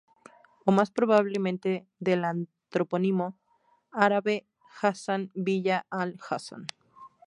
O más probablemente del antropónimo árabe Hassan: Villa Al-Hassan.